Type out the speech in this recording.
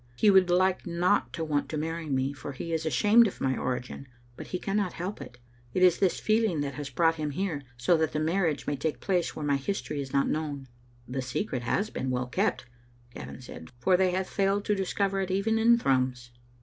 He would like not to want to marry me, for he is ashamed of my origin, but he cannot help it. It is this feeling that has brought him here, so that the marriage may take place where my history is not known." " The secret has been well kept, "Gavin said, " for they have failed to discover it even in Thrums."